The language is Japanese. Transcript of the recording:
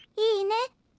いいね？